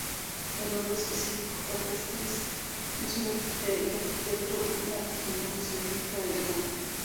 El nombre específico "campestris" es un epíteto latino que significa 'del campo'.